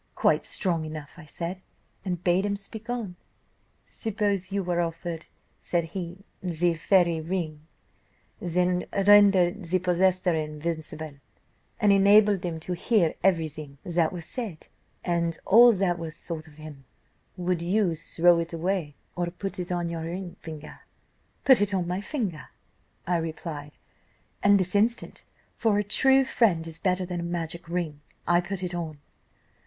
"'Quite strong enough,' I said, and bade him speak on. "'Suppose you were offered,' said he, 'the fairy ring that rendered the possessor invisible, and enabled him to hear every thing that was said, and all that was thought of him, would you throw it away, or put it on your finger?' "'Put it on my finger,' I replied; 'and this instant, for a true friend is better than a magic ring, I put it on.